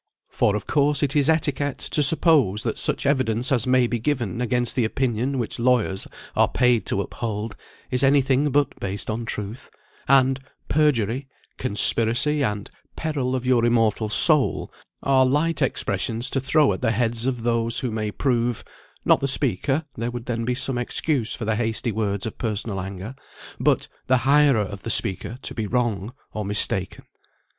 For, of course, it is etiquette to suppose that such evidence as may be given against the opinion which lawyers are paid to uphold, is any thing but based on truth; and "perjury," "conspiracy," and "peril of your immortal soul," are light expressions to throw at the heads of those who may prove (not the speaker, there would then be some excuse for the hasty words of personal anger, but) the hirer of the speaker to be wrong, or mistaken.